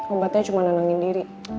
obatnya cuma nenangin diri